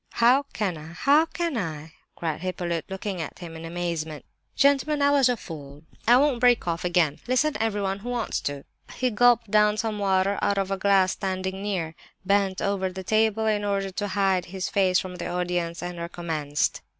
"How can I? How can I?" cried Hippolyte, looking at him in amazement. "Gentlemen! I was a fool! I won't break off again. Listen, everyone who wants to!" He gulped down some water out of a glass standing near, bent over the table, in order to hide his face from the audience, and recommenced.